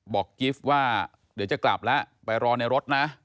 กิฟต์ว่าเดี๋ยวจะกลับแล้วไปรอในรถนะ